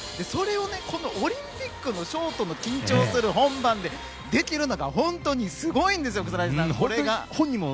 それをこのオリンピックのショートの緊張する本番でできるのが本当にすごいんですよ。